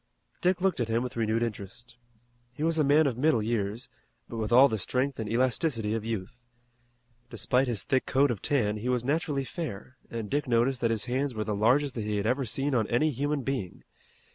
Dick looked at him with renewed interest. He was a man of middle years, but with all the strength and elasticity of youth. Despite his thick coat of tan he was naturally fair, and Dick noticed that his hands were the largest that he had ever seen on any human being.